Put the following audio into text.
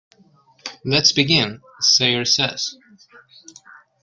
"Let's begin," Sayer says.